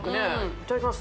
いただきます。